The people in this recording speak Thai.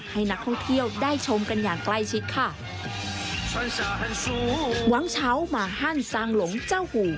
ให้นักท่องเที่ยวได้ชมกันอย่างใกล้ชิดค่ะหวังเช้ามาฮั่นซางหลงเจ้าหู